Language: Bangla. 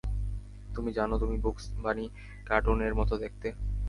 তুমি জানো, তুমি বুকস বানি কার্টুন এর মতো দেখতে?